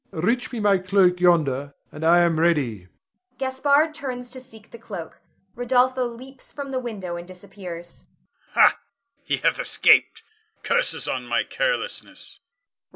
Reach me my cloak yonder, and I am ready. [Gaspard turns to seek the cloak. Rodolpho leaps from the window and disappears. Gasp. Ha! he hath escaped, curses on my carelessness!